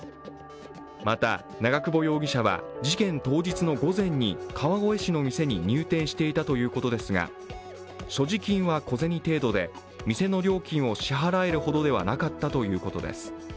また、長久保容疑者は事件当日の午前に川越市の店に入店していたということですが所持金は小銭程度で店の料金を支払えるほどではなかったということです。